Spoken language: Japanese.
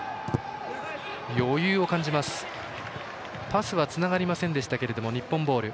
パスはつながりませんでしたが日本ボール。